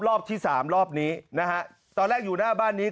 รอบที่สามรอบนี้นะฮะตอนแรกอยู่หน้าบ้านนี้